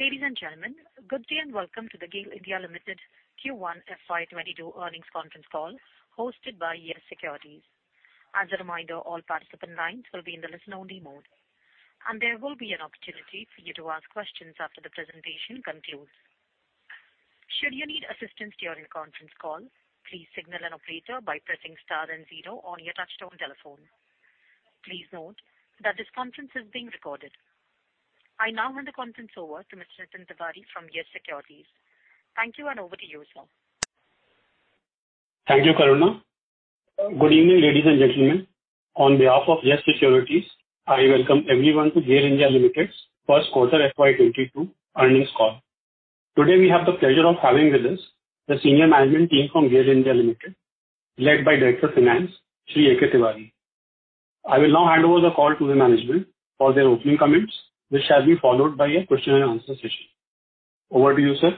Ladies and gentlemen, good day and welcome to the GAIL Limited Q1 FY 2022 earnings conference call hosted by Yes Securities. As a reminder, all participant lines will be in the listen-only mode, and there will be an opportunity for you to ask questions after the presentation concludes. Should you need assistance during the conference call, please signal an operator by pressing star and zero on your touch-tone telephone. Please note that this conference is being recorded. I now hand the conference over to Mr. Nitin Tiwari from Yes Securities. Thank you, over to you, sir.. Thank you, Karuna. Good evening, ladies and gentlemen. On behalf of Yes Securities, I welcome everyone to GAIL Limited's first quarter FY 2022 earnings call. Today we have the pleasure of having with us the senior management team from GAIL Limited, led by Director Finance, Shri A.K. Tiwari. I will now hand over the call to the management for their opening comments, which shall be followed by a question and answer session. Over to you, sir.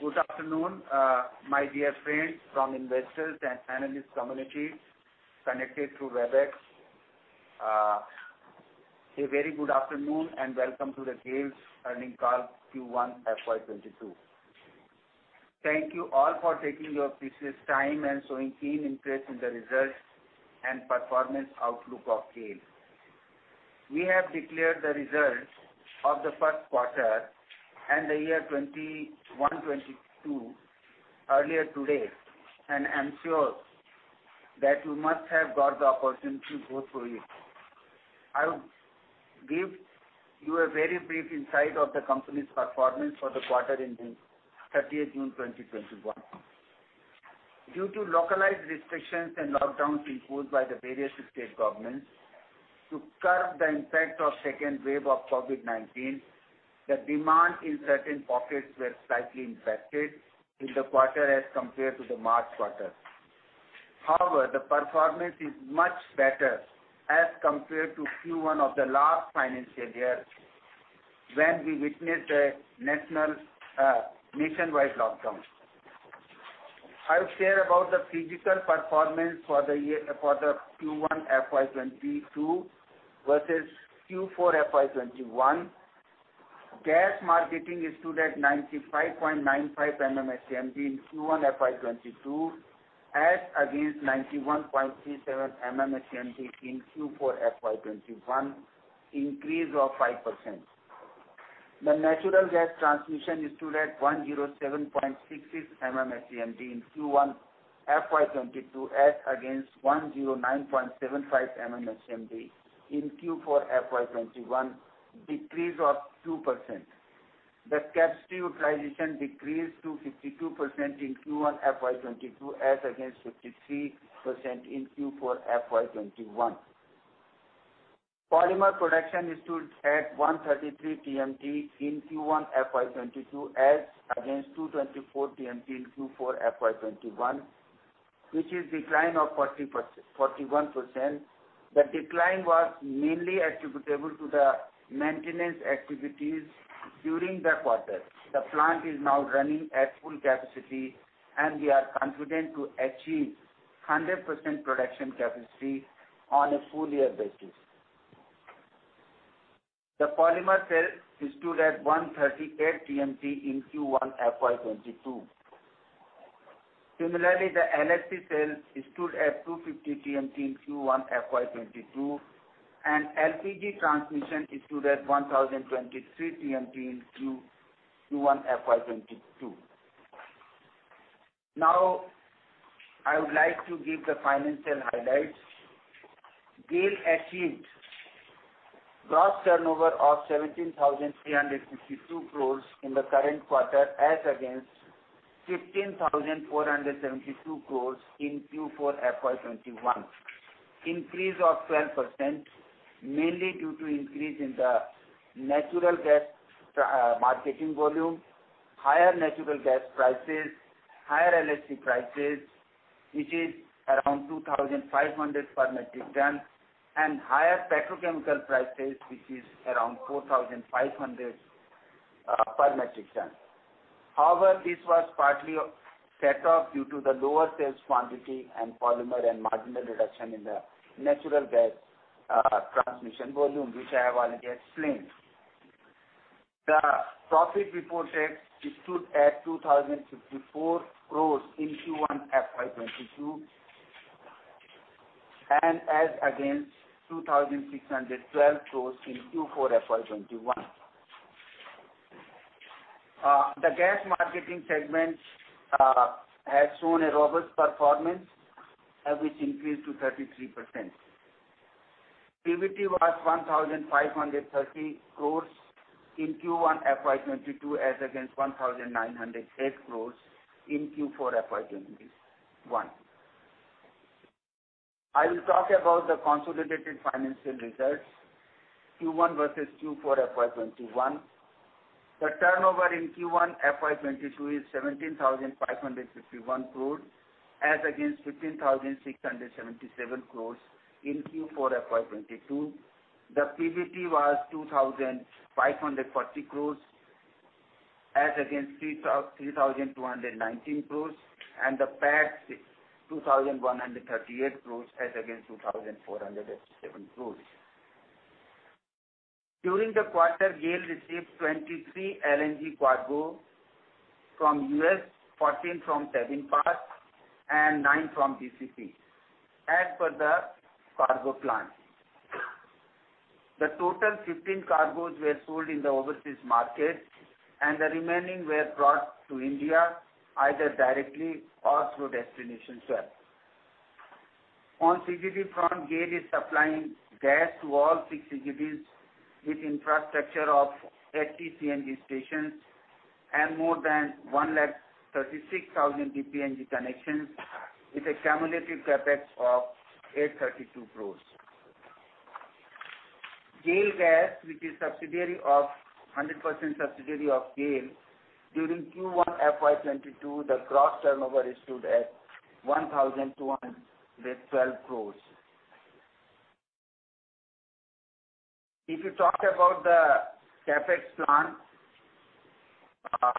Good afternoon, my dear friends from investors and analyst community connected through Webex. A very good afternoon. Welcome to the GAIL earnings call Q1 FY 2022. Thank you all for taking your precious time and showing keen interest in the results and performance outlook of GAIL. We have declared the results of the first quarter and the year 2021/2022 earlier today, and I'm sure that you must have got the opportunity to go through it. I will give you a very brief insight of the company's performance for the quarter ending 30th June 2021. Due to localized restrictions and lockdowns imposed by the various state governments to curb the impact of second wave of COVID-19, the demand in certain pockets were slightly impacted in the quarter as compared to the March quarter. The performance is much better as compared to Q1 of the last financial year when we witnessed a nationwide lockdown. I will share about the physical performance for the Q1 FY 2022 versus Q4 FY 2021. Gas marketing stood at 95.95 MMSCMD in Q1 FY 2022, as against 91.37 MMSCMD in Q4 FY 2021, increase of 5%. The natural gas transmission stood at 107.66 MMSCMD in Q1 FY 2022, as against 109.75 MMSCMD in Q4 FY 2021, decrease of 2%. The capacity utilization decreased to 52% in Q1 FY 2022 as against 53% in Q4 FY 2021. Polymer production stood at 133 TMT in Q1 FY 2022 as against 224 TMT in Q4 FY 2021, which is decline of 41%. The decline was mainly attributable to the maintenance activities during the quarter. The plant is now running at full capacity. We are confident to achieve 100% production capacity on a full year basis. The polymer sales stood at 138 TMT in Q1 FY2022. Similarly, the LPG sales stood at 250 TMT in Q1 FY2022, and LPG transmission stood at 1,023 TMT in Q1 FY2022. Now I would like to give the financial highlights. GAIL achieved gross turnover of 17,352 crore in the current quarter as against 15,472 crore in Q4 FY2021. Increase of 12%, mainly due to increase in the natural gas marketing volume, higher natural gas prices, higher LHC prices, which is around 2,500 per metric ton, and higher petrochemical prices, which is around 4,500 per metric ton. However, this was partly set off due to the lower sales quantity and polymer and marginal reduction in the natural gas transmission volume, which I have already explained. The profit reported stood at 2,054 crore in Q1 FY2022, and as against 2,612 crore in Q4 FY2021. The gas marketing segment has shown a robust performance, which increased to 33%. PBT was 1,530 crore in Q1 FY22 as against 1,908 crore in Q4 FY21. I will talk about the consolidated financial results, Q1 versus Q4 FY21. The turnover in Q1 FY22 is 17,551 crore as against 15,677 crore in Q4 FY22. The PBT was 2,540 crore. Against 3,219 crore, and the PAT 2,138 crore as against 2,407 crore. During the quarter, GAIL received 23 LNG cargo from U.S., 14 from Sabine Pass, and nine from DCP, as per the cargo plan. The total 15 cargos were sold in the overseas market, and the remaining were brought to India, either directly or through destination swap. On CGD front, GAIL is supplying gas to all six CGDs with infrastructure of eight CNG stations and more than 136,000 PNG connections with a cumulative CapEx of 832 crores. GAIL Gas, which is 100% subsidiary of GAIL, during Q1 FY 2022, the gross turnover stood at 1,212 crores. If you talk about the CapEx plan, as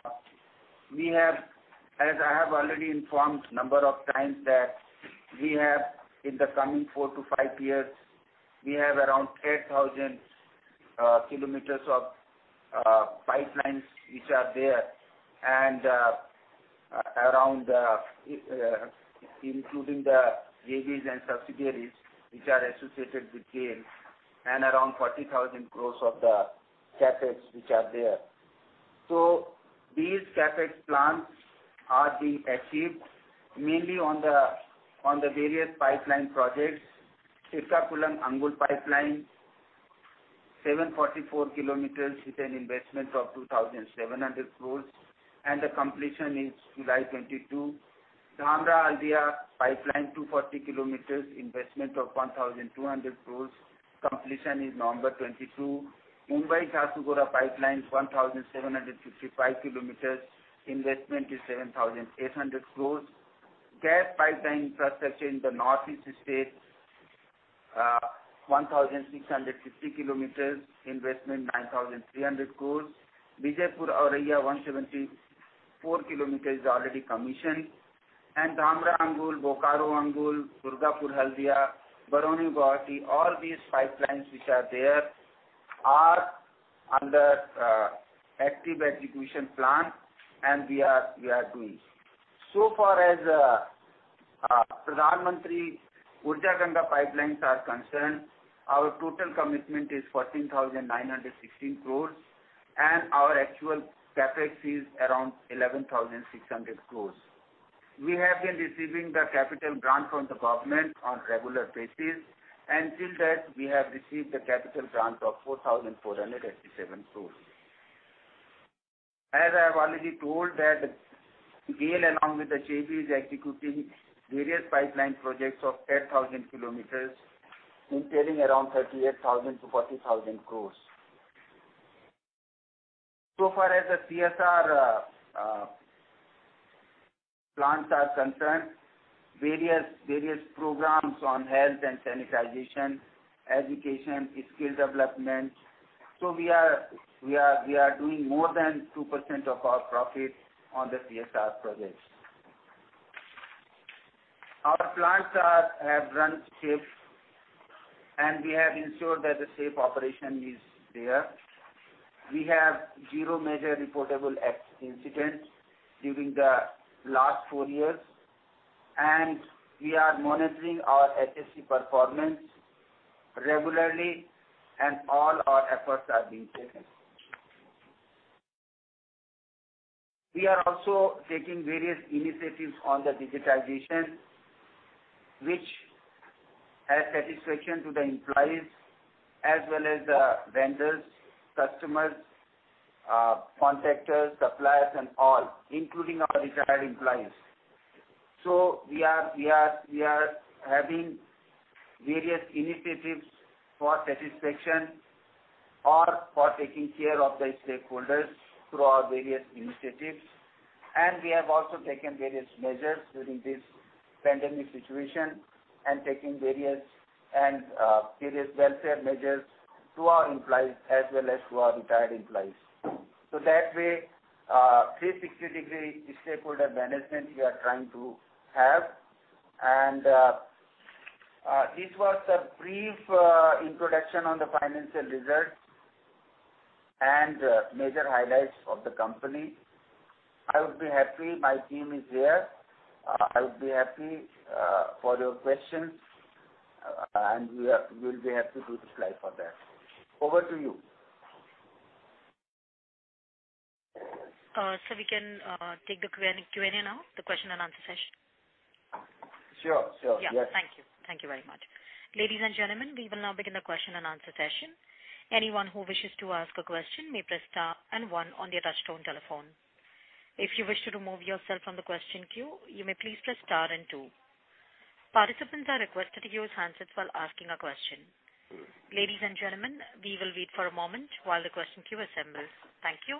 I have already informed number of times that in the coming four to five years, we have around 8,000 km of pipelines which are there, including the JVs and subsidiaries which are associated with GAIL, and around 40,000 crores of the CapEx which are there. These CapEx plans are being achieved mainly on the various pipeline projects. Srikakulam-Angul pipeline, 744 km with an investment of 2,700 crores, and the completion is July 2022. Dhamra-Haldia pipeline, 240 km, investment of 1,200 crores, completion in November 2022. Mumbai-Jharsuguda pipeline, 1,755 km, investment is 7,800 crores. Gas pipeline infrastructure in the northeast states, 1,650 km, investment INR 9,300 crores. Vijaipur-Auraiya, 174 km, is already commissioned. Dhamra-Angul, Bokaro-Angul, Durgapur-Haldia, Barauni-Guwahati, all these pipelines which are there are under active execution plan, and we are doing. Far as Pradhan Mantri Urja Ganga Yojana pipelines are concerned, our total commitment is 14,916 crores, and our actual CapEx is around 11,600 crores. We have been receiving the capital grant from the government on regular basis, and till that, we have received the capital grant of 4,487 crores. I have already told that GAIL, along with the JVs, is executing various pipeline projects of 8,000 kilometers, incurring around 38,000 crore-40,000 crore. Far as the CSR plans are concerned, various programs on health and sanitization, education, skill development. We are doing more than 2% of our profit on the CSR projects. Our plants have run safe, and we have ensured that the safe operation is there. We have 0 major reportable incident during the last four years, and we are monitoring our HSE performance regularly, and all our efforts are being taken. We are also taking various initiatives on the digitization, which adds satisfaction to the employees as well as the vendors, customers, contractors, suppliers, and all, including our retired employees. We are having various initiatives for satisfaction or for taking care of the stakeholders through our various initiatives. We have also taken various measures during this pandemic situation and taken various welfare measures to our employees as well as to our retired employees. That way, 360 degree stakeholder management we are trying to have. This was a brief introduction on the financial results and major highlights of the company. My team is here. I would be happy for your questions, and we'll be happy to reply for that. Over to you. We can take the Q&A now, the question and answer session. Sure. Yeah. Thank you. Thank you very much. Ladies and gentlemen, we will now begin the question and answer session. Thank you.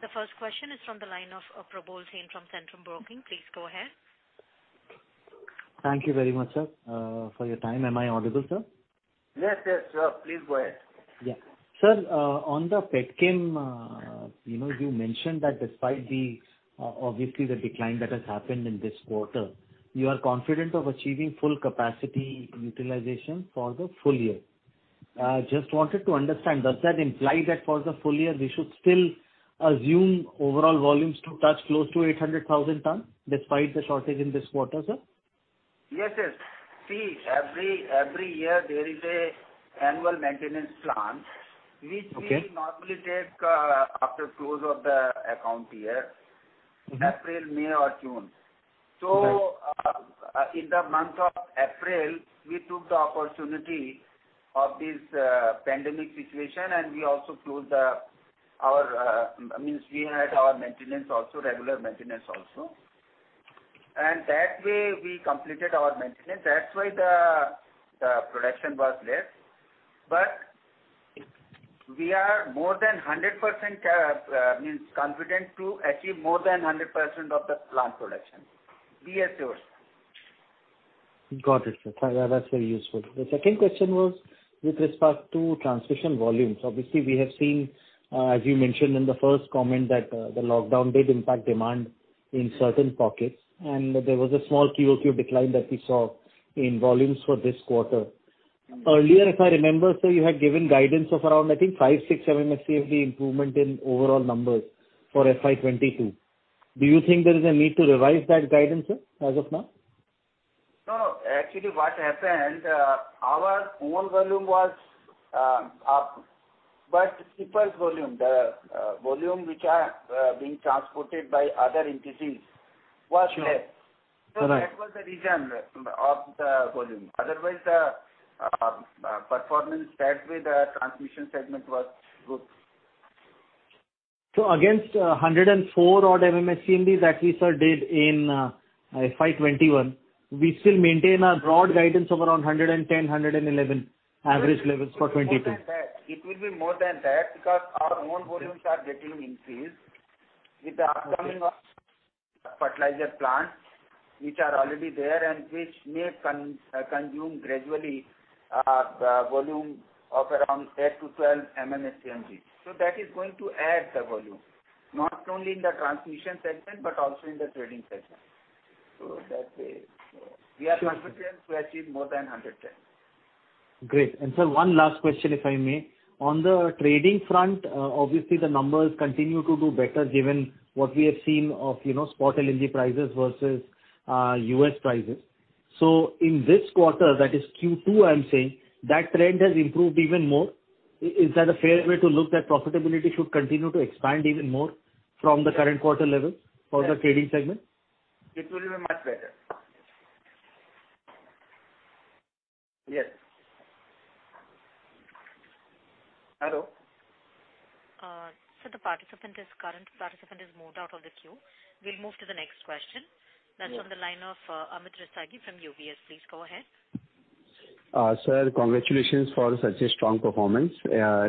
The first question is from the line of Probal Sen from Centrum Broking. Please go ahead. Thank you very much, sir, for your time. Am I audible, sir? Yes, yes, please go ahead. Yeah. Sir, on the Petchem, you mentioned that despite the, obviously the decline that has happened in this quarter, you are confident of achieving full capacity utilization for the full year. Just wanted to understand, does that imply that for the full year, we should still assume overall volumes to touch close to 800,000 tons despite the shortage in this quarter, sir? Yes. See, every year there is an annual maintenance. Okay which we normally take after close of the account year. April, May or June. Right. In the month of April, we took the opportunity of this pandemic situation, and we also closed our, means we had our maintenance also, regular maintenance also. That way, we completed our maintenance. That's why the production was less. We are more than 100%, means confident to achieve more than 100% of the plant production. Be assured. Got it, sir. That's very useful. The second question was with respect to transmission volumes. Obviously, we have seen, as you mentioned in the first comment, that the lockdown did impact demand in certain pockets, and there was a small QoQ decline that we saw in volumes for this quarter. Earlier, if I remember, sir, you had given guidance of around I think 5, 6 MMSCMD improvement in overall numbers for FY 2022. Do you think there is a need to revise that guidance, sir, as of now? No. Actually, what happened, our own volume was up, but shippers' volume, the volume which are being transported by other entities was less. Sure. Right. That was the reason of the volume. Otherwise, the performance, that way, the transmission segment was good. Against 104 odd MMSCMD that we, sir, did in FY 2021, we still maintain our broad guidance of around 110, 111 average levels for FY 2022. It will be more than that because our own volumes are getting increased with the upcoming fertilizer plants, which are already there and which may consume gradually the volume of around 8 to 12 MMSCMD. That is going to add the volume, not only in the transmission segment, but also in the trading segment. That way, we are confident to achieve more than 110. Great. Sir, one last question if I may. On the trading front, obviously the numbers continue to do better given what we have seen of spot LNG prices versus U.S. prices. In this quarter, that is Q2, I'm saying, that trend has improved even more. Is that a fair way to look that profitability should continue to expand even more from the current quarter levels for the trading segment? It will be much better. Yes. Hello? Sir, the current participant is moved out of the queue. We will move to the next question. Yeah. That's from the line of Amit Rastogi from UBS. Please go ahead. Sir, congratulations for such a strong performance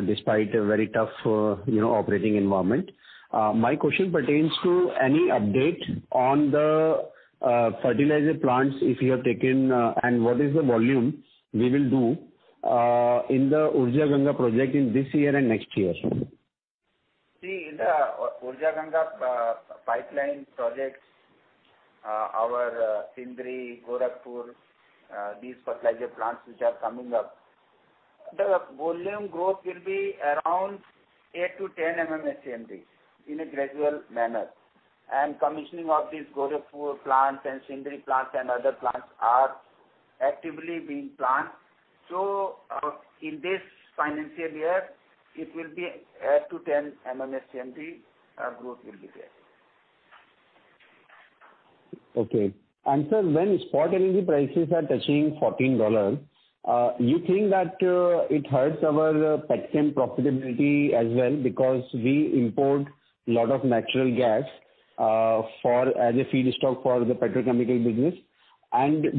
despite a very tough operating environment. My question pertains to any update on the fertilizer plants, if you have taken, and what is the volume we will do in the Urja Ganga project in this year and next year? See, in the Urja Ganga pipeline projects, our Sindri, Gorakhpur, these fertilizer plants which are coming up, the volume growth will be around 8-10 MMSCMD in a gradual manner. Commissioning of these Gorakhpur plants and Sindri plants and other plants are actively being planned. In this financial year, it will be 8-10 MMSCMD growth will be there. Okay. Sir, when spot LNG prices are touching $14, you think that it hurts our Petchem profitability as well because we import lot of natural gas as a feedstock for the petrochemical business.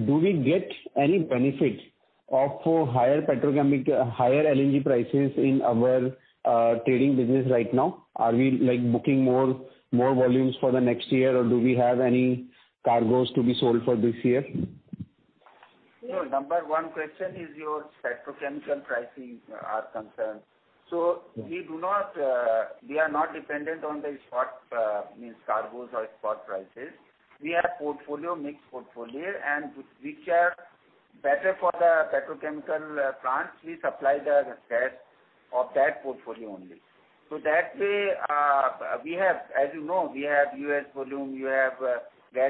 Do we get any benefit of higher LNG prices in our trading business right now? Are we booking more volumes for the next year, or do we have any cargoes to be sold for this year? Number one question is your petrochemical pricing are concerned. We are not dependent on the spot, means cargoes or spot prices. We have mixed portfolio and which are better for the petrochemical plants. We supply the gas of that portfolio only. That way, as you know, we have U.S. volume, we have Gazprom, we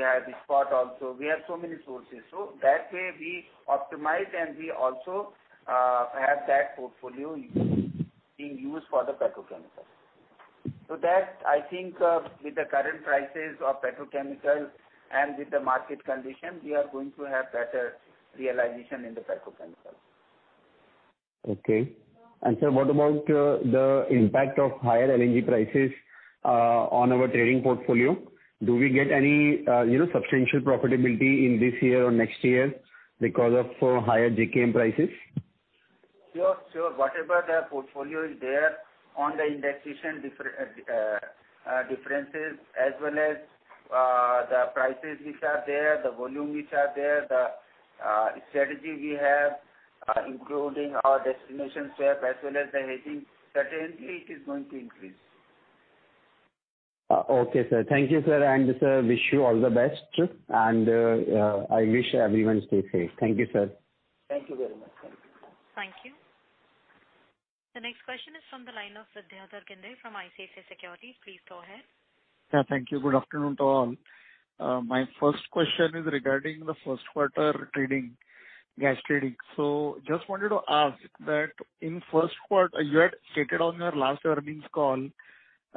have the spot also. We have so many sources. That way we optimize and we also have that portfolio being used for the petrochemical. That, I think with the current prices of petrochemical and with the market condition, we are going to have better realization in the petrochemical. Okay. Sir, what about the impact of higher LNG prices on our trading portfolio? Do we get any substantial profitability in this year or next year because of higher JKM prices? Sure. Whatever the portfolio is there on the indexation differences as well as the prices which are there, the volume which are there, the strategy we have, including our destination swap as well as the hedging, certainly it is going to increase. Okay, Sir. Thank you, Sir. Sir, wish you all the best. I wish everyone stay safe. Thank you, Sir. Thank you very much. Thank you. The next question is from the line of Siddharth Gundecha from ICICI Securities. Please go ahead. Yeah. Thank you. Good afternoon to all. My first question is regarding the first quarter gas trading. Just wanted to ask that in first quarter, you had stated on your last earnings call that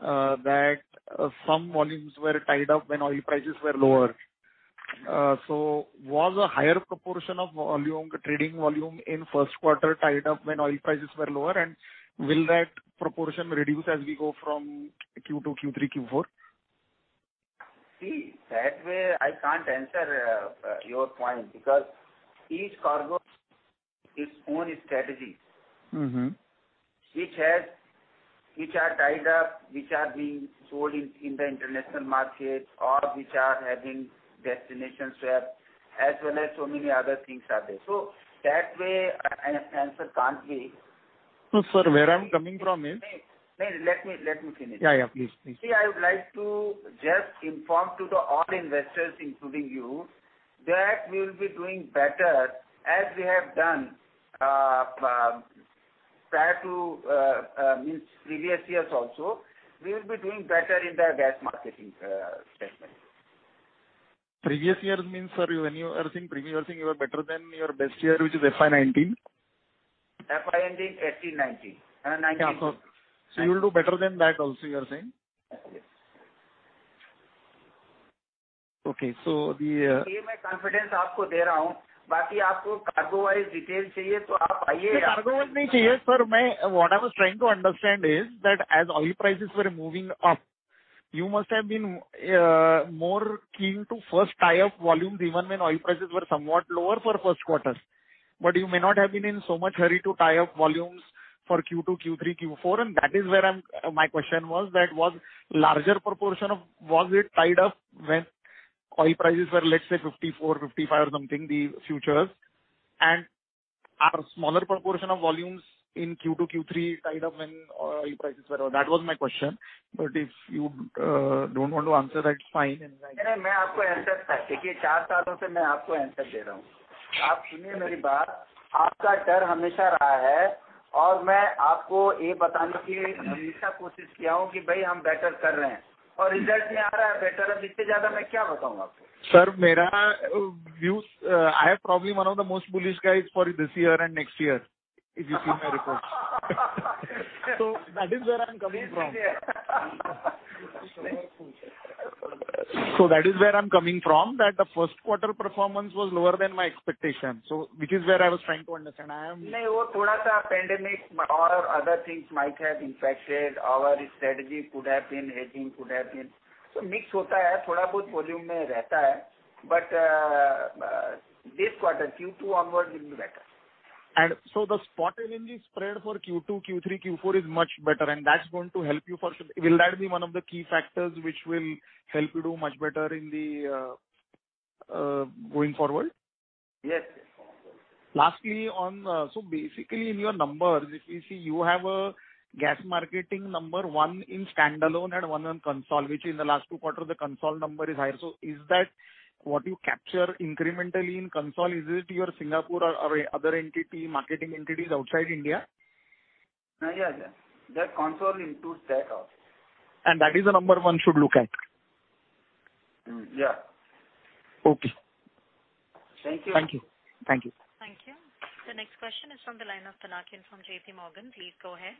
some volumes were tied up when oil prices were lower. Was a higher proportion of trading volume in first quarter tied up when oil prices were lower? Will that proportion reduce as we go from Q2, Q3, Q4? See, that way I can't answer your point because each cargo, its own strategy. Which are tied up, which are being sold in the international market or which are having destination swap as well as so many other things are there. That way an answer can't be. No, sir, where I'm coming from is- No, let me finish. Yeah. Please. I would like to just inform to the all investors including you, that we'll be doing better as we have done prior to, means previous years also. We'll be doing better in the gas marketing segment. Previous years means, sir, when you are saying previous, you are saying you are better than your best year, which is FY 2019? FY 2019, FY 2018, FY 2019. Yeah. You will do better than that also, you are saying? Yes. Okay. See my confidence speaks for itself. Sir, what I was trying to understand is that as oil prices were moving up, you must have been more keen to first tie up volumes even when oil prices were somewhat lower for first quarter. You may not have been in so much hurry to tie up volumes for Q2, Q3, Q4, and that is where my question was that, was larger proportion of it tied up when oil prices were, let's say, 54, 55 or something, the futures? Are smaller proportion of volumes in Q2, Q3 tied up when oil prices were low? That was my question, but if you don't want to answer that's fine. No, I will answer that. For four years I have been giving you answers. You listen to me, your fear has always been there, and I have always tried to tell you that we are doing better, and the results are also coming better. What more can I tell you? Sir, I am probably one of the most bullish guys for this year and next year, if you see my reports. That is where I'm coming from. That is where I'm coming from, that the first quarter performance was lower than my expectation. Which is where I was trying to understand. No, that was a little pandemic or other things might have infected, our strategy could have been, hedging could have been. There is a mix, a little volume is there, but this quarter, Q2 onwards will be better. The spot LNG spread for Q2, Q3, Q4 is much better. Will that be one of the key factors which will help you do much better going forward? Yes. Lastly, basically in your numbers, if you see, you have a gas marketing number, one in standalone and one on consol, which in the last two quarters, the consol number is higher. Is that what you capture incrementally in conso? Is it your Singapore or other entity, marketing entities outside India? Yeah. That consol includes that also. That is the number one should look at? Yeah. Okay. Thank you. Thank you. Thank you. The next question is from the line of Pinakin Parekh from JP Morgan. Please go ahead.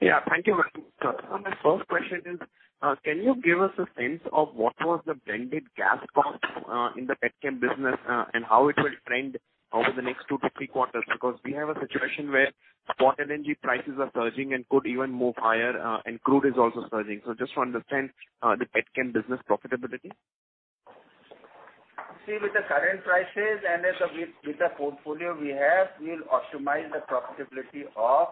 Yeah. Thank you. My first question is, can you give us a sense of what was the blended gas cost in the petchem business, and how it will trend over the next two to three quarters? We have a situation where spot LNG prices are surging and could even move higher, and crude is also surging. Just to understand the petchem business profitability. See, with the current prices and with the portfolio we have, we'll optimize the profitability of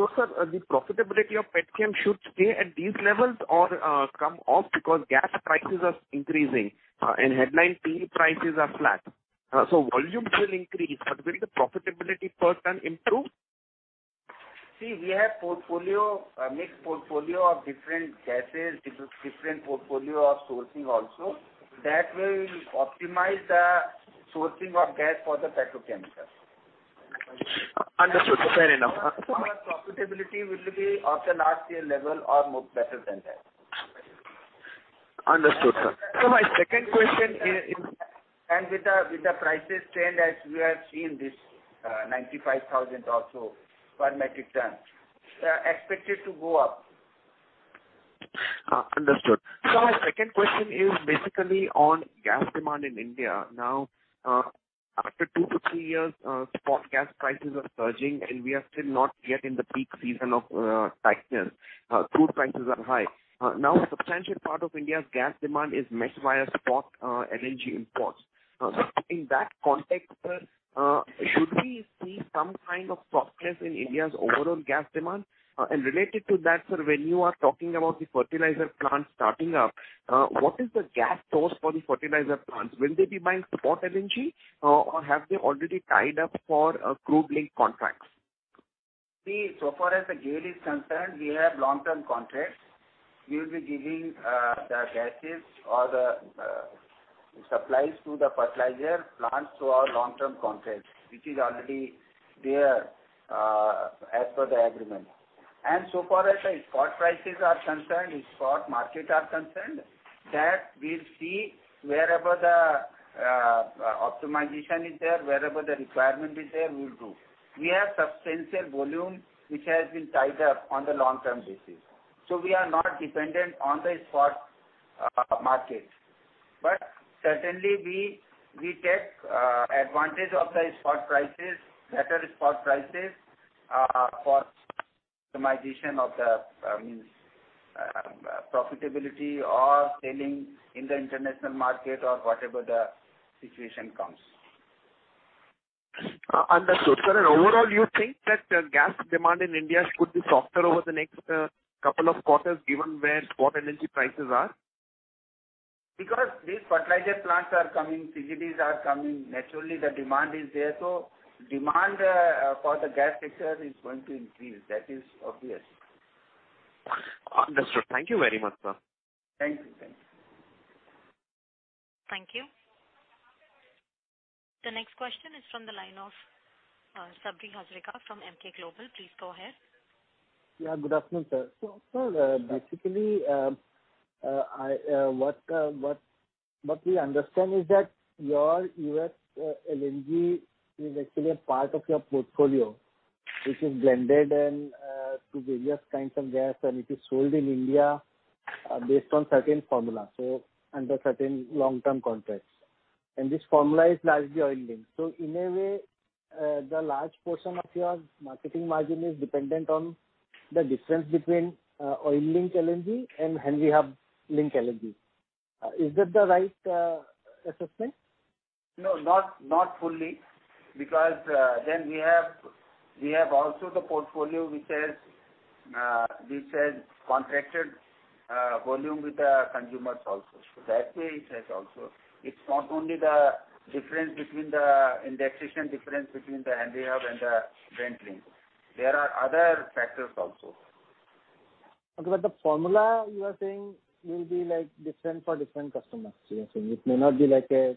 petchem. Sir, the profitability of petchem should stay at these levels or come up because gas prices are increasing and headline PE prices are flat. Volumes will increase, but will the profitability per ton improve? We have a mixed portfolio of different gases, different portfolio of sourcing also. That way we'll optimize the sourcing of gas for the petrochemical. Understood, sir. Fair enough. Our profitability will be of the last year level or more better than that. Understood, sir. My second question is. With the prices trend as we have seen this 95,000 or so per metric ton, expected to go up. Understood. My second question is basically on gas demand in India. After two to three years, spot gas prices are surging, and we are still not yet in the peak season of tightness. Food prices are high. A substantial part of India's gas demand is met via spot LNG imports. In that context, sir, should we see some kind of softness in India's overall gas demand? Related to that, sir, when you are talking about the fertilizer plants starting up, what is the gas source for the fertilizer plants? Will they be buying spot LNG, or have they already tied up for crude link contracts? So far as the GAIL is concerned, we have long-term contracts. We will be giving the gases or the supplies to the fertilizer plants through our long-term contracts, which is already there as per the agreement. So far as the spot prices are concerned, the spot market is concerned, that we'll see wherever the optimization is there, wherever the requirement is there, we will do. We have substantial volume, which has been tied up on the long-term basis. We are not dependent on the spot market. Certainly, we take advantage of the spot prices, better spot prices, for optimization of the profitability or selling in the international market or whatever the situation comes. Understood. Sir, overall, do you think that gas demand in India could be softer over the next couple of quarters, given where spot energy prices are? Because these fertilizer plants are coming, CGDs are coming, naturally, the demand is there. Demand for the gas sector is going to increase. That is obvious. Understood. Thank you very much, sir. Thank you. Thank you. The next question is from the line of Sabari Hajra from Emkay Global. Please go ahead. Yeah, good afternoon, sir. Sir, basically, what we understand is that your U.S. LNG is actually a part of your portfolio, which is blended in to various kinds of gas, and it is sold in India based on certain formula, so under certain long-term contracts. This formula is largely oil-linked. In a way, the large portion of your marketing margin is dependent on the difference between oil-linked LNG and Henry Hub-linked LNG. Is that the right assessment? No, not fully, because then we have also the portfolio which has contracted volume with the consumers also. That way it has also. It's not only the indexation difference between the Henry Hub and the Brent link. There are other factors also. Okay. The formula, you are saying, will be different for different customers. You are saying it may not be like a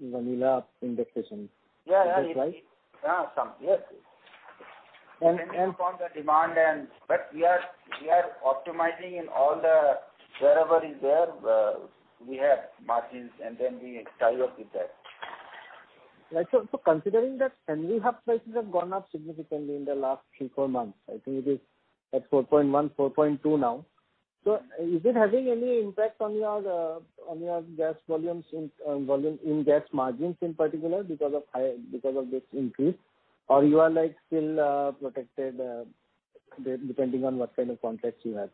vanilla indexation. Yeah. Is that right? Yeah. And- We are optimizing in all the, wherever is there, we have margins, and then we tie up with that. Right. Considering that Henry Hub prices have gone up significantly in the last three, four months, I think it is at $4.1, $4.2 now. Is it having any impact on your gas volumes in gas margins in particular because of this increase? Or you are still protected, depending on what kind of contracts you have?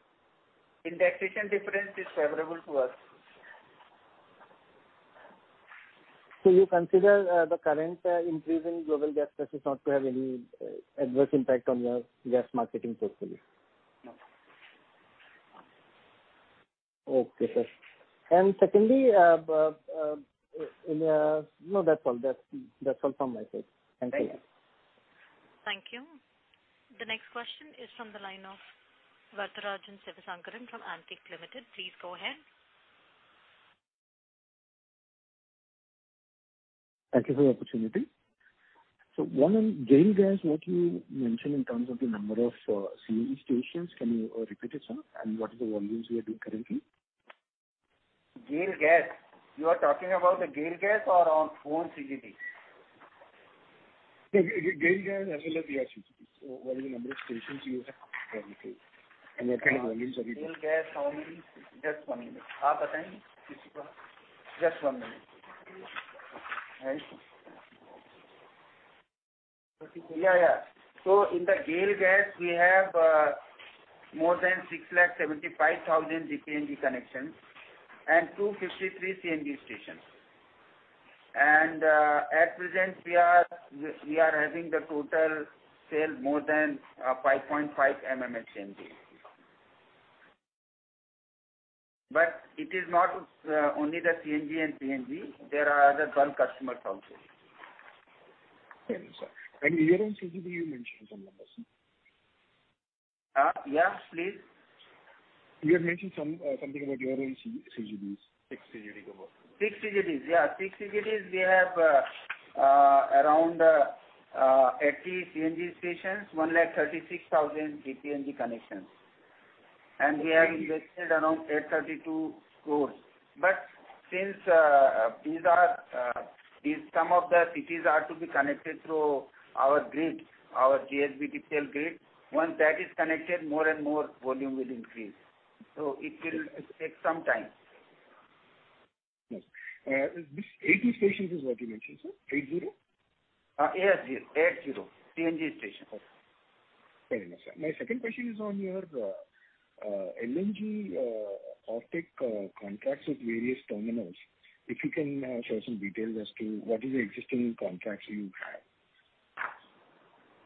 Indexation difference is favorable to us. You consider the current increase in global gas prices not to have any adverse impact on your gas marketing portfolio? No. Okay, sir. No, that's all. That's all from my side. Thank you. Thank you. Thank you. The next question is from the line of Varatharajan Sivasankaran from Antique Limited. Please go ahead. Thank you for the opportunity. One on GAIL Gas, what you mentioned in terms of the number of CNG stations, can you repeat it, sir? What is the volumes you are doing currently? GAIL Gas. You are talking about the GAIL Gas or our own CGD? GAIL Gas as well as your CGDs, what is the number of stations you have currently, and what kind of volumes are you doing? GAIL Gas volumes. Just one minute. You tell him. Just one minute. Yeah. In the GAIL Gas, we have more than 6 lakh 75,000 DPNG connections and 253 CNG stations. At present, we are having the total sale more than 5.5 MMSCMD. It is not only the CNG and PNG. There are other bulk customers also. Thank you, sir. Your own CGD, you mentioned some numbers. Yeah, please. You have mentioned something about your own CGDs. 6 CGDs. Six CGDs. Yeah, six CGDs. We have around 80 CNG stations, 1 lakh 36,000 DPNG connections. We have invested around 832 crores. Since some of the cities are to be connected through our grid, our JHBDPL grid, once that is connected, more and more volume will increase. It will take some time. Yes. This 80 stations is what you mentioned, sir. 80? 80. CNG station. Okay. Very nice, sir. My second question is on your LNG offtake contracts with various terminals, if you can share some details as to what is the existing contracts you have?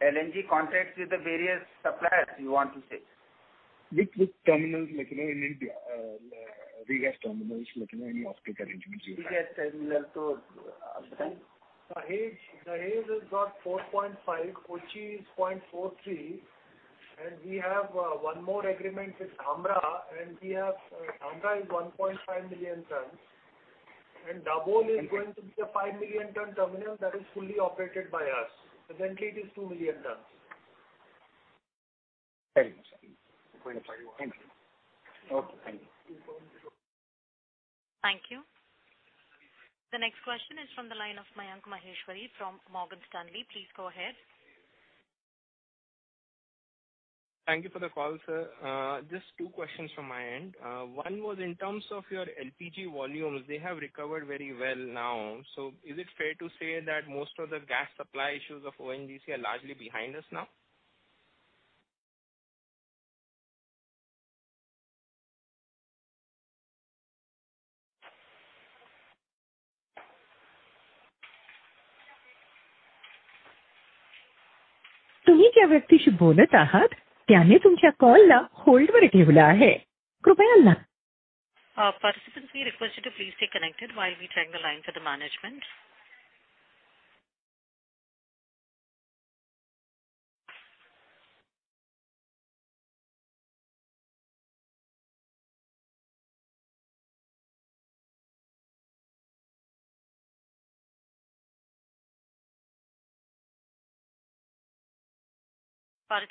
LNG contracts with the various suppliers, you want to say? With terminals in India. Regas terminals in offtake arrangements. Regas terminal. Dahej has got 4.5, Kochi is 0.43, and we have one more agreement with Dhamra, and Dhamra is 1.5 MMTPA. Dabhol is going to be the 5 MMTPA terminal that is fully operated by us. Kattupalli is 2 MMTPA. Very much. Thank you. Okay, thank you. Thank you. The next question is from the line of Mayank Maheshwari from Morgan Stanley. Please go ahead. Thank you for the call, sir. Just two questions from my end. One was in terms of your LPG volumes. They have recovered very well now. Is it fair to say that most of the gas supply issues of ONGC are largely behind us now? Sir,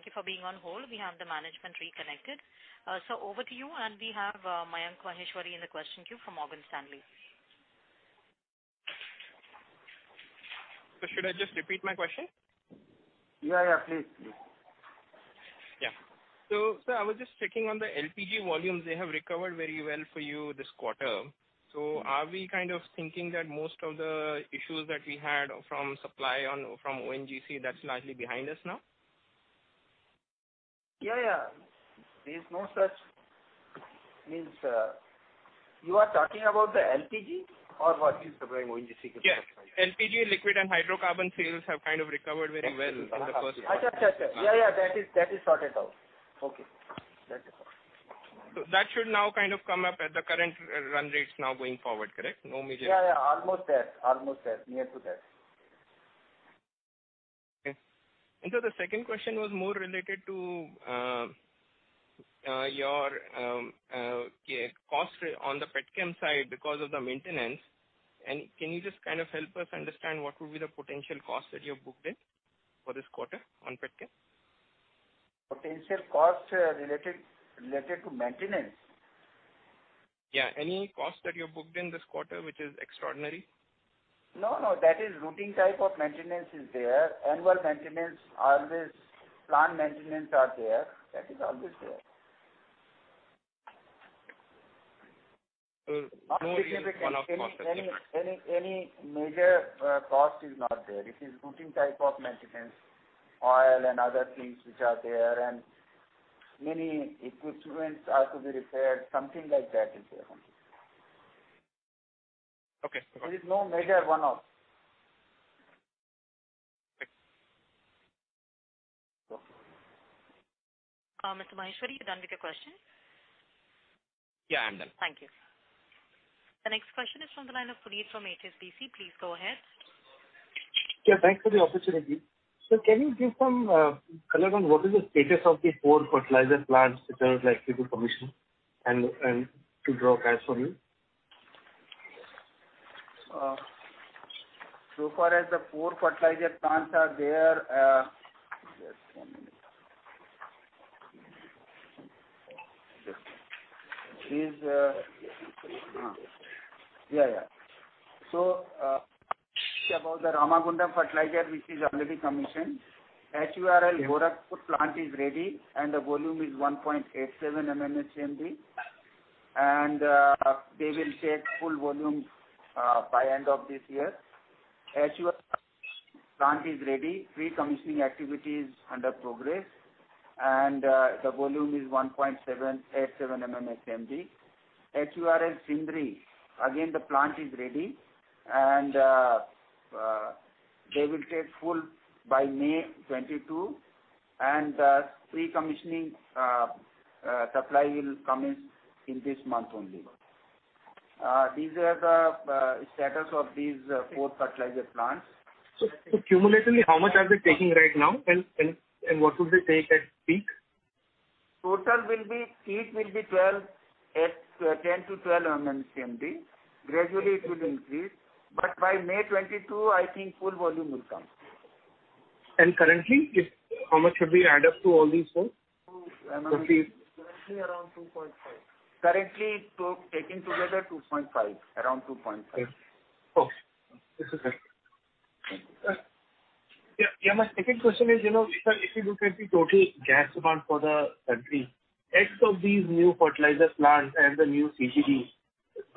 over to you, and we have Mayank Maheshwari in the question queue from Morgan Stanley. Should I just repeat my question? Yeah. Please do. Yeah. Sir, I was just checking on the LPG volumes. They have recovered very well for you this quarter. Are we kind of thinking that most of the issues that we had from supply from ONGC, that's largely behind us now? Yeah. There's no such, you are talking about the LPG or what? Yes. LPG, liquid, and hydrocarbon sales have kind of recovered very well in the first quarter. Yeah. That is sorted out. Okay. That should now kind of come up at the current run rates now going forward, correct? Yeah. Almost there. Near to that. Okay. The second question was more related to your cost on the petchem side because of the maintenance. Can you just kind of help us understand what would be the potential cost that you have booked in for this quarter on petchem? Potential cost related to maintenance? Yeah, any cost that you've booked in this quarter, which is extraordinary? No. That is routine type of maintenance is there. Annual maintenance, always plant maintenance are there. That is always there. No significant one-off cost. Any major cost is not there. It is routine type of maintenance, oil and other things which are there, and many equipment are to be repaired, something like that is there. Okay. There is no major one-off. Okay. Mr. Maheshwari, you done with your question? Yeah, I'm done. Thank you, sir. The next question is from the line of Puneet from HSBC. Please go ahead. Yeah, thanks for the opportunity. Sir, can you give some color on what is the status of the four fertilizer plants which are likely to commission and to draw cash from you? So far as the four fertilizer plants are there, about the Ramagundam Fertilizer, which is already commissioned. HURL Gorakhpur plant is ready, and the volume is 1.87 MMSCMD, and they will take full volume by end of this year. HURL plant is ready. Pre-commissioning activity is under progress, and the volume is 1.87 MMSCMD. HURL Sindri, again, the plant is ready. They will take full by May 2022, and the pre-commissioning supply will come in this month only. These are the status of these four fertilizer plants. Cumulatively, how much are they taking right now, and what will they take at peak? Peak will be 10-12 MMSCMD. Gradually it will increase, but by May 2022, I think full volume will come. Currently, how much should we add up to all these four? Currently around 2.5. Currently, taken together, 2.5. Around 2.5. Okay. This is it. Thank you. Yeah. My second question is, if you look at the total gas demand for the country, X of these new fertilizer plants and the new CGDs,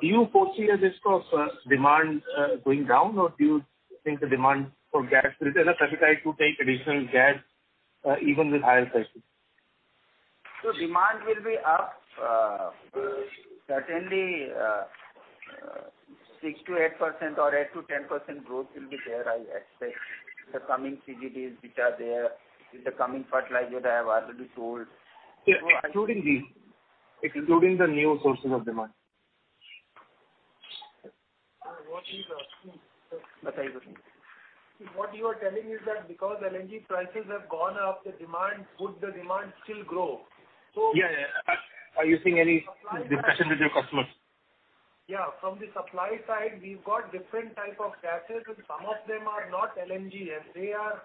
do you foresee a risk of demand going down, or do you think the demand for gas will tell us that it's right to take additional gas even with higher prices? Demand will be up. Certainly, 6%-8% or 8%-10% growth will be there, I expect, the coming CGDs which are there, with the coming fertilizer I have already told. Yeah. Excluding these. Excluding the new sources of demand. What you are telling is that because LNG prices have gone up, would the demand still grow? Yeah. Are you seeing any discussion with your customers? From the supply side, we've got different type of gases. Some of them are not LNG, and they are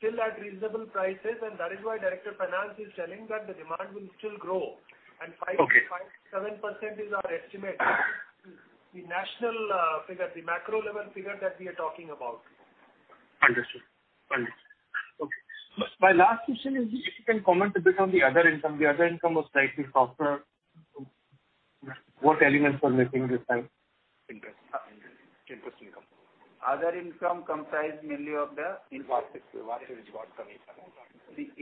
still at reasonable prices, and that is why Director Finance is telling that the demand will still grow. Okay. 5%-7% is our estimate. The national figure, the macro level figure that we are talking about. Understood. Okay. My last question is, if you can comment a bit on the other income. The other income was slightly softer. What elements were missing this time? Interest income. Other income comprised mainly of. Vivad Se Vishwas provision.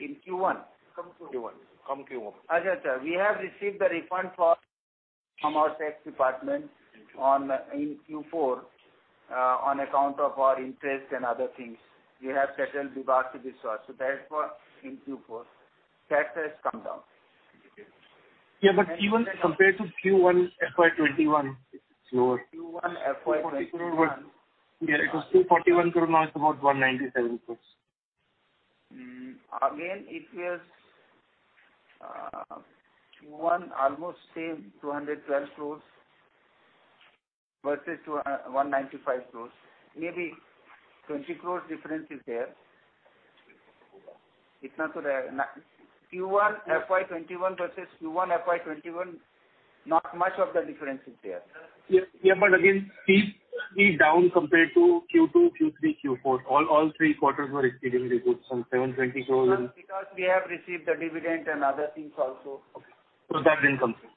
In Q1? Q1. Come Q1. We have received the refund from our tax department. In Q4. In Q4, on account of our interest and other things. We have settled Vivad Se Vishwas. Therefore, in Q4, tax has come down. Okay. Yeah, even compared to Q1 FY 2021, it's lower. Q1 FY 2021. Yeah, it was INR 241 crore, now it's about 197 crores. It was Q1 almost same, 212 crores versus 195 crores. Maybe 20 crores difference is there. Q1 FY 2021 versus Q1 FY 2021, not much of the difference is there. Yeah, again, it's down compared to Q2, Q3, Q4. All three quarters were exceedingly good. From 720 crore. We have received the dividend and other things also. Okay. That didn't come through.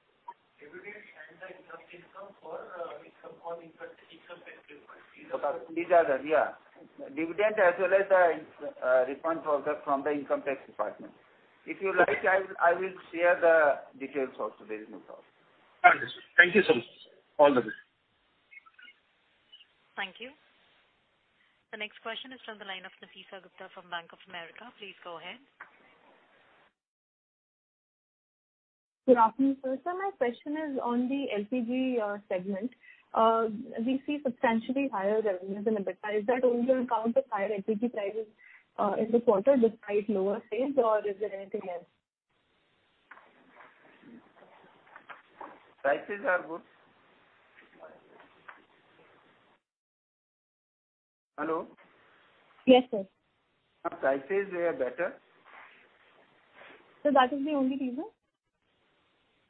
Dividend and the income tax refund. These are there, yeah. Dividend as well as the refund from the income tax department. If you like, I will share the details also. There is no problem. Understood. Thank you so much. All the best. Thank you. The next question is from the line of Nafeesa Gupta from Bank of America. Please go ahead. Good afternoon, sir. Sir, my question is on the LPG segment. We see substantially higher revenues than EBITDA. Is that only on account of higher LPG prices in this quarter despite lower sales, or is there anything else? Prices are good. Hello? Yes, sir. Prices were better. That is the only reason?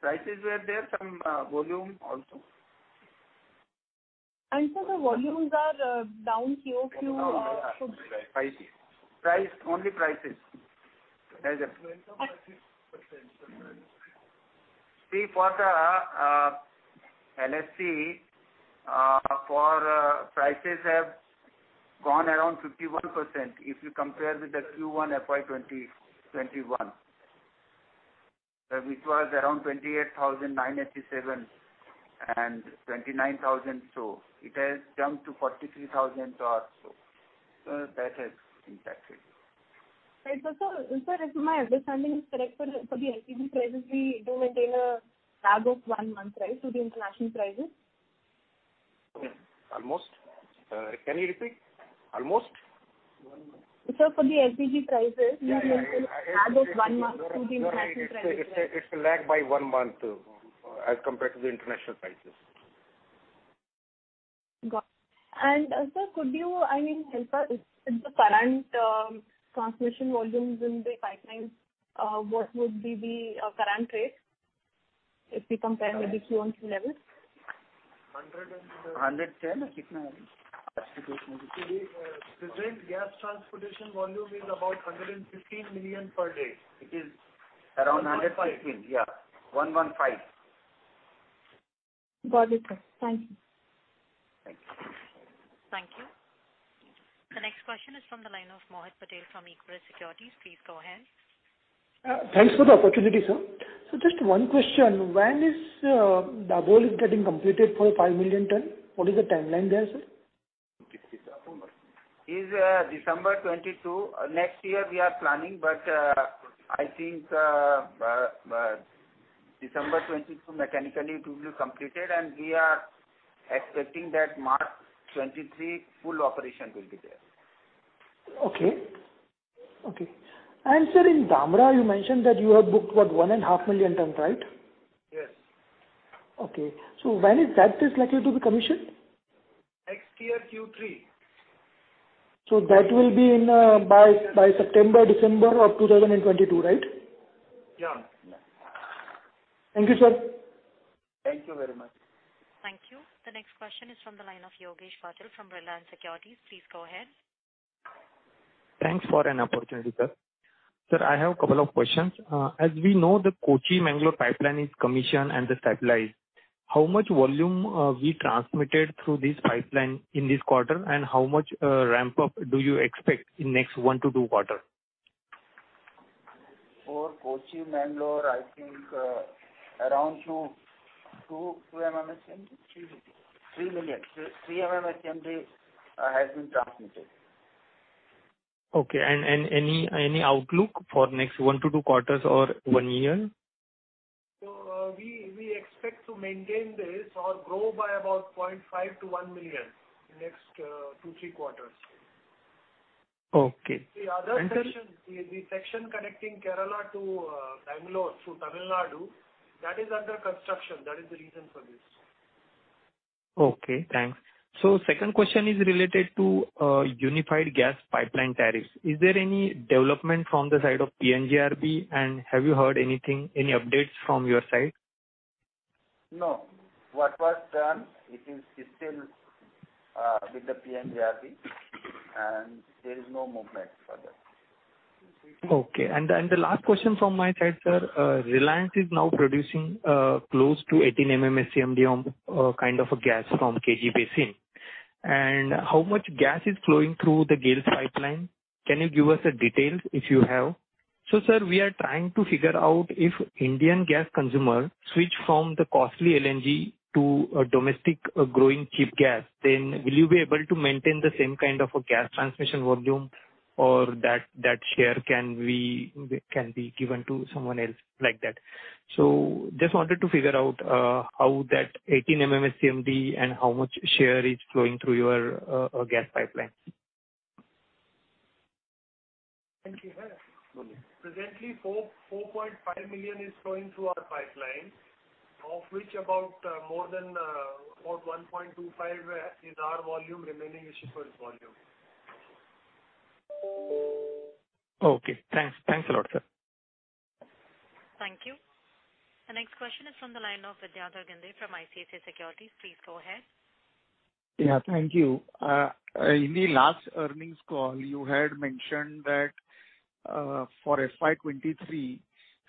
Prices were there, some volume also. Sir, the volumes are down Q-over-Q. Price. Only prices. For the LPG, prices have gone around 51%, if you compare with the Q1 FY 2021. Which was around 28,987, and 29,000. It has jumped to 43,000 or so. That has impacted. Right. Sir, if my understanding is correct, for the LPG prices, we do maintain a lag of one month to the international prices, right? Almost. Can you repeat? Almost? Sir, for the LPG prices. Yeah. We maintain a lag of one month to the international prices. No. It's a lag by one month as compared to the international prices. Got it. Sir, could you, I mean, help us with the current transmission volumes in the pipelines? What would be the current rate if we compare with the Q1 levels? Hundred and- 110. The present gas transportation volume is about 115 million per day. Around 115, yeah. 115. Got it, sir. Thank you. Thank you. Thank you. The next question is from the line of Maulik Patel from Equirus Securities. Please go ahead. Thanks for the opportunity, sir. Just one question. When is Dabhol getting completed for 5 million ton? What is the timeline there, sir? Is December 2022. Next year we are planning, but I think December 2022, mechanically it will be completed, and we are expecting that March 2023, full operation will be there. Okay. Sir, in Dhamra, you mentioned that you have booked what, one and half million tons, right? Yes. Okay. When is that is likely to be commissioned? Next year, Q3. That will be by September, December of 2022, right? Yeah. Thank you, sir. Thank you very much. Thank you. The next question is from the line of Yogesh Patil from Reliance Securities. Please go ahead. Thanks for an opportunity, sir. Sir, I have a couple of questions. As we know, the Kochi-Mangalore Pipeline is commissioned and stabilized. How much volume we transmitted through this pipeline in this quarter, and how much ramp up do you expect in next one to two quarter? For Kochi-Mangalore, I think around 2 MMSCMD, 3 million. 3 MMSCMD has been transmitted. Okay, any outlook for next one to two quarters or one year? We expect to maintain this or grow by about 0.5 million-1 million in next two to three quarters. Okay. The other section, the section connecting Kerala to Bangalore through Tamil Nadu, that is under construction. That is the reason for this. Okay, thanks. Second question is related to unified gas pipeline tariffs. Is there any development from the side of PNGRB, and have you heard anything, any updates from your side? No. What was done, it is still with the PNGRB, and there is no movement for that. Okay. The last question from my side, sir. Reliance is now producing close to 18 MMSCMD on a kind of a gas from KG Basin. How much gas is flowing through the GAIL pipeline? Can you give us a detail if you have? Sir, we are trying to figure out if Indian gas consumer switch from the costly LNG to a domestic growing cheap gas, then will you be able to maintain the same kind of a gas transmission volume or that share can be given to someone else like that? Just wanted to figure out how that 18 MMSCMD and how much share is flowing through your gas pipeline. Thank you. Presently, 4.5 MMSCMD is flowing through our pipeline, of which about more than about 1.25 MMSCMD is our volume, remaining is shipper's volume. Okay. Thanks a lot, sir. Thank you. The next question is from the line of Vidyadhar Ginde from ICICI Securities. Please go ahead. Yeah, thank you. In the last earnings call, you had mentioned that for FY 2023,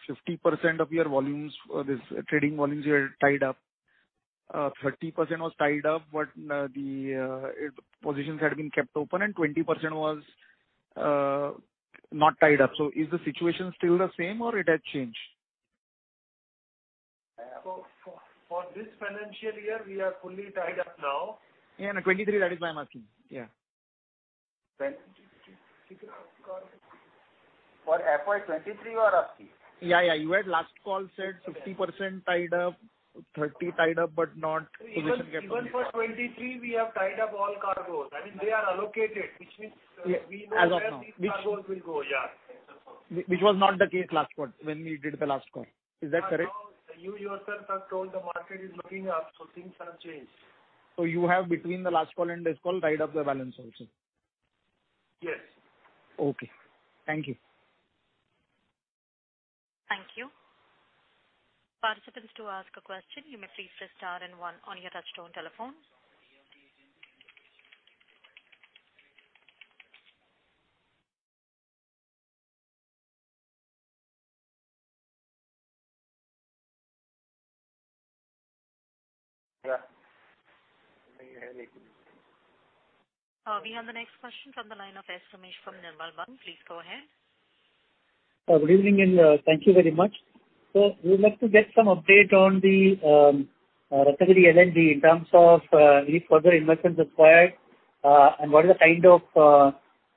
50% of your trading volumes were tied up, 30% was tied up, but the positions had been kept open, and 20% was not tied up. Is the situation still the same or it has changed? For this financial year, we are fully tied up now. Yeah, 2023, that is why I'm asking. Yeah. For FY 2023, you are asking? Yeah. You at last call said 60% tied up, 30% tied up. Even for 2023, we have tied up all cargoes. I mean, they are allocated, which means. Yeah, as of now. We know where these cargoes will go, yeah. Which was not the case when we did the last call. Is that correct? Now, you yourself have told the market is looking up, so things have changed. You have between the last call and this call, tied up the balance also. Yes. Okay. Thank you. Thank you. Participants, to ask a question, you may please press star and one on your touchtone telephone. Yeah. We have the next question from the line of S. Ramesh from Nirmal Bang. Please go ahead. Good evening, and thank you very much. We would like to get some update on the Konkan LNG in terms of any further investments required, and what is the kind of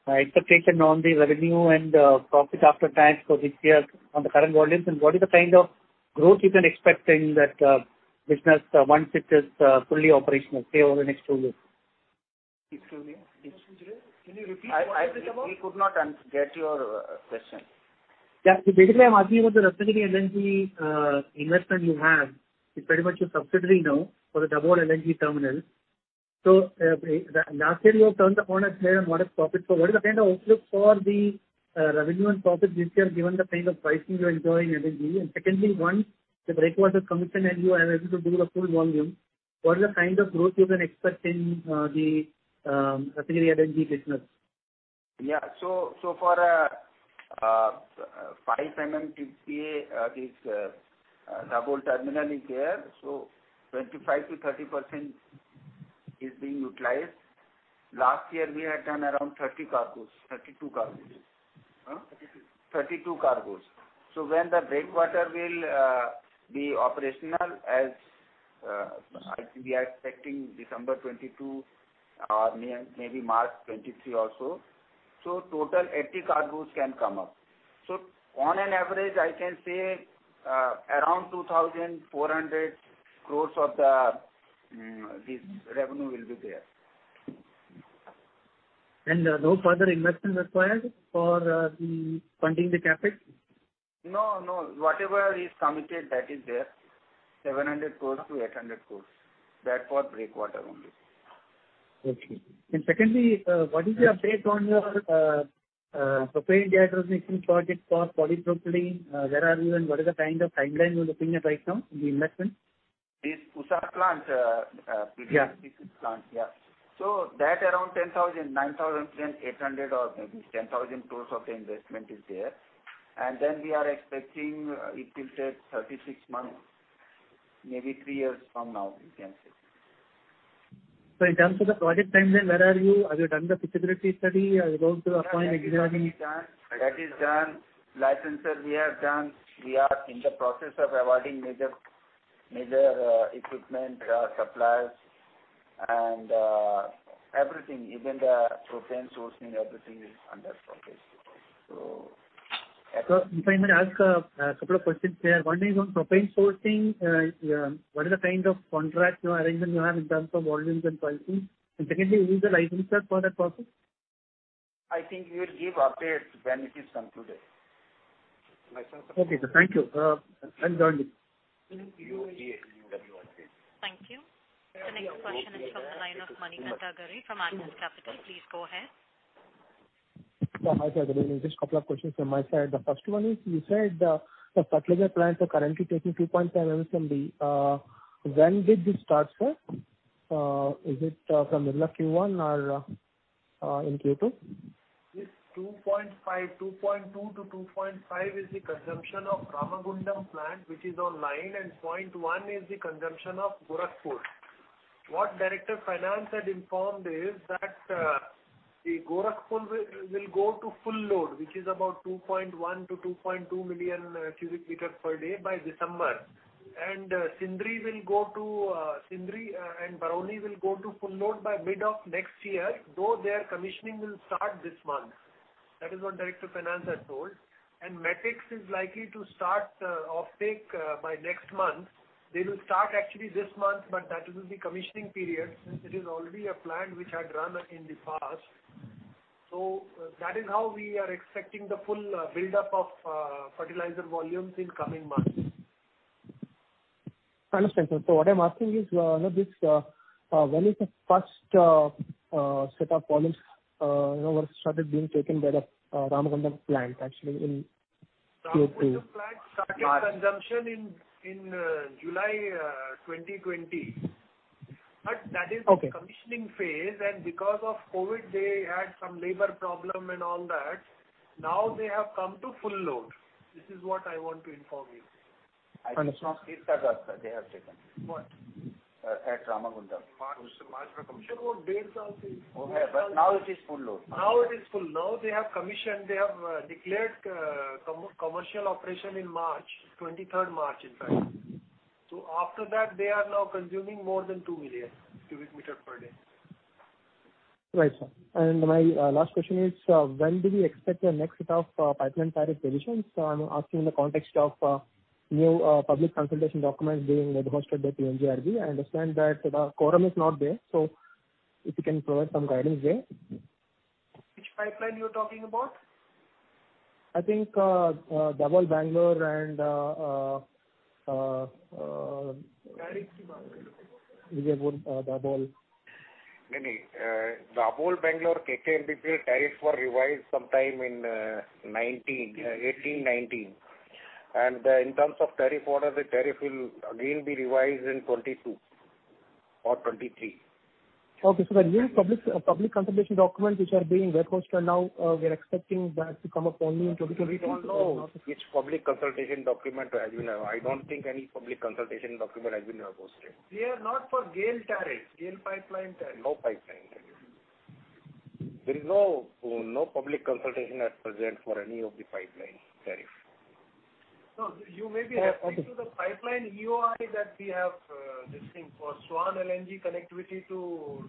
expectation on the revenue and profit after tax for this year on the current volumes, and what is the kind of growth you can expect in that business once it is fully operational, say, over the next two years? Excuse me. Can you repeat what is it about? We could not get your question. Yeah. basically, I'm asking you about the Konkan LNG investment you have. It's pretty much a subsidiary now for the Dabhol LNG terminal. last year you have turned the corner there and made a profit. what is the kind of outlook for the revenue and profit this year given the kind of pricing you're enjoying LNG? secondly, once the breakwater is commissioned and you are able to do the full volume, what is the kind of growth you can expect in the Konkan LNG business? Yeah. For 5 MMTPA, this Dabhol terminal is there. 25%-30% is being utilized. Last year, we had done around 30 cargos, 32 cargos. 32. 32 cargos. When the breakwater will be operational as we are expecting December 2022 or maybe March 2023 also, total 80 cargos can come up. On an average, I can say around 2,400 crore of this revenue will be there. No further investment required for funding the CapEx? No, whatever is committed, that is there, 700 crores to 800 crores. That for breakwater only. Okay. Secondly, what is your take on your propane dehydrogenation project for polypropylene? Where are you and what is the kind of timeline you're looking at right now in the investment? This Usar plant Yeah. That around 9,800 crores or maybe 10,000 crores of the investment is there. We are expecting it will take 36 months, maybe three years from now, we can say. In terms of the project timeline, where are you? Have you done the feasibility study? Are you going to appoint a That is done. Licensor we have done. We are in the process of awarding major equipment, suppliers and everything, even the propane sourcing, is under process. If I may ask a couple of questions there. One is on propane sourcing, what is the kind of contract or arrangement you have in terms of volumes and pricing? Secondly, who is the licensor for that process? I think we'll give update when it is concluded. licensor. Okay, sir. Thank you. I'm done. U-A-U-W-I-C. Thank you. The next question is from the line of Manikanta Garre from Axis Capital. Please go ahead. Hi, sir. Good evening. Just a couple of questions from my side. The first one is, you said the fertilizer plants are currently taking 2.5 MMSCMD. When did this start, sir? Is it from the middle of Q1 or in Q2? This 2.2-2.5 is the consumption of Ramagundam plant, which is online. 0.1 is the consumption of Gorakhpur. What Director Finance had informed is that Gorakhpur will go to full load, which is about 2.1-2.2 MMSCMD by December. Sindri and Barauni will go to full load by mid-next year, though their commissioning will start this month. That is what Director Finance had told. Matix is likely to start offtake by next month. They will start actually this month, but that will be commissioning period since it is already a plant which had run in the past. That is how we are expecting the full buildup of fertilizer volumes in coming months. I understand, sir. What I'm asking is when is the first set of volumes started being taken by the Ramagundam plant actually in Q2? Ramagundam plant started consumption in July 2020. That is the commissioning phase, and because of COVID, they had some labor problem and all that. Now they have come to full load. This is what I want to inform you. I understand. At Ramagundam. March. Now it is full load. It is full load. They have commissioned, they have declared commercial operation in March, 23rd March, in fact. After that, they are now consuming more than 2 million cubic meter per day. Right, sir. My last question is, when do we expect your next set of pipeline tariff revisions? I'm asking in the context of new public consultation documents being web-hosted by PNGRB. I understand that quorum is not there. If you can provide some guidance there. Which pipeline you're talking about? I think Dabhol-Bangalore and- Tariff Vijayawada Dabhol. No. Dabhol Bangalore KKNPL tariff was revised sometime in 2018, 2019. In terms of tariff order, the tariff will again be revised in 2022 or 2023. The new public consultation documents which are being web hosted now, we are expecting that to come up only in 2022? I don't think any public consultation document has been web hosted. They are not for GAIL tariff, GAIL pipeline tariff. No pipeline tariff. There is no public consultation at present for any of the pipeline tariff. No, you may be referring to the pipeline EOI that we have listing for Swan LNG connectivity to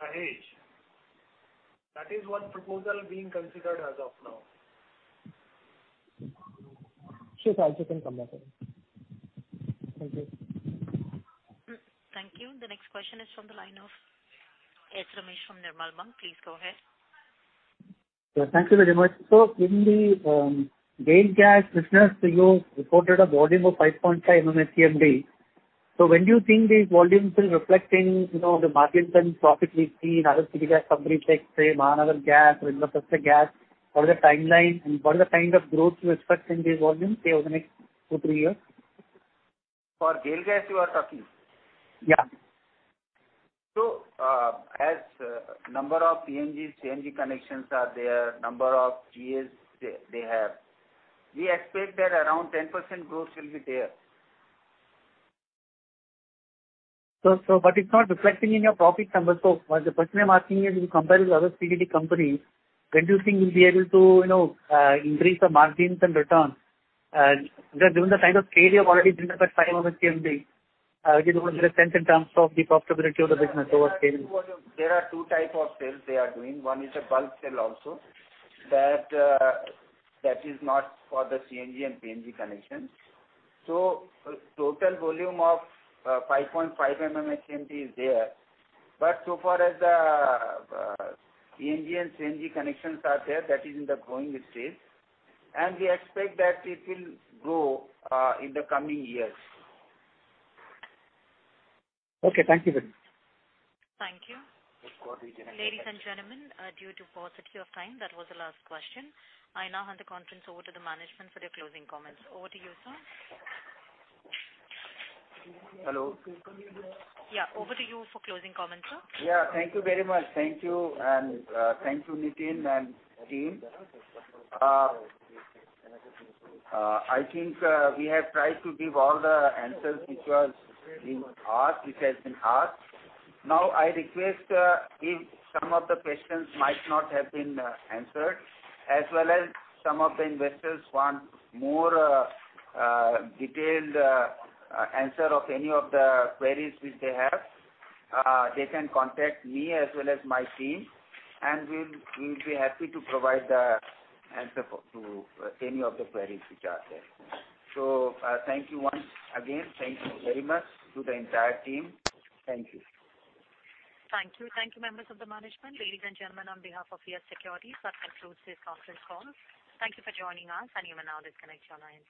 Dahej. That is one proposal being considered as of now. Sure, sir. I'll check and come back. Thank you. Thank you. The next question is from the line of S. Ramesh from Nirmal Bang. Please go ahead. Thank you very much. In the GAIL Gas business, you reported a volume of 5.5 MMSCMD. When do you think these volumes will reflect in the margin and profit we see in other city gas companies like, say, Mahanagar Gas or Indraprastha Gas? What is the timeline and what is the kind of growth you expect in these volumes, say, over the next two to three years? For GAIL Gas you are talking? Yeah. As number of PNG, CNG connections are there, number of GAs they have. We expect that around 10% growth will be there. It's not reflecting in your profit numbers. The question I'm asking is, if you compare with other CNG companies, when do you think you'll be able to increase the margins and returns? Given the kind of scale you've already built up at 5 MMSCMD, do you think it will make a difference in terms of the profitability of the business over scale? There are two types of sales they are doing. One is a bulk sale also. That is not for the CNG and PNG connections. Total volume of 5.5 MMSCMD is there. So far as the PNG and CNG connections are there, that is in the growing stage, and we expect that it will grow in the coming years. Okay. Thank you very much. Thank you. Look for the generation- Ladies and gentlemen, due to paucity of time, that was the last question. I now hand the conference over to the management for their closing comments. Over to you, sir. Hello. Yeah. Over to you for closing comments, sir. Thank you very much. Thank you, and thank you, Nitin and team. I think we have tried to give all the answers which has been asked. I request if some of the questions might not have been answered, as well as some of the investors want more detailed answer of any of the queries which they have, they can contact me as well as my team, and we'll be happy to provide the answer to any of the queries which are there. Thank you once again. Thank you very much to the entire team. Thank you. Thank you. Thank you, members of the management. Ladies and gentlemen, on behalf of Yes Securities, that concludes this conference call. Thank you for joining us, and you may now disconnect your lines.